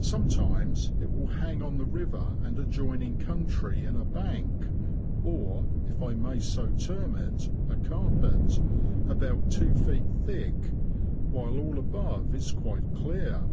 Sometimes, it will hang on the river and adjoining country in a bank, or, if I may so term it, a carpet, about two feet thick, while all above is quite clear.